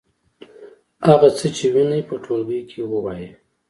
هغه څه چې وینئ په ټولګي کې ووایئ.